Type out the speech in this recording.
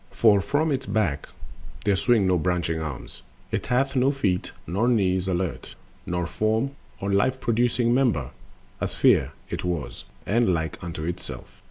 For from its back there swing no branching arms, It hath no feet nor knees alert, nor form Of life producing member,—on all sides A sphere it was, and like unto itself.